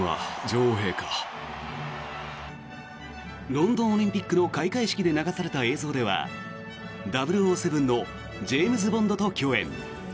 ロンドンオリンピックの開会式で流された映像では「００７」のジェームズ・ボンドと共演。